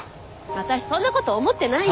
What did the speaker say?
私そんなこと思ってないよ。